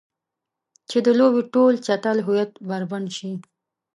چې د لوبې ټول چټل هویت بربنډ شي.